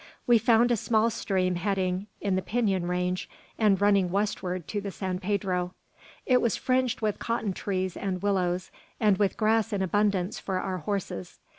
We found a small stream heading in the Pinon Range, and running westward to the San Pedro. It was fringed with cotton trees and willows, and with grass in abundance for our horses.